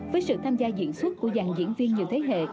với sự tham gia diễn xuất của dàn diễn viên nhiều thế hệ